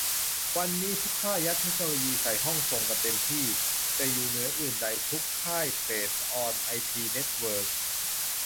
วันนี้ทุกค่ายัดเทคโนโลยีใส่ห้องส่งกันเต็มที่ แต่อยู่เหนืออื่นใดทุกค่ายเปสออนไอพีเน็ตเวิร์ก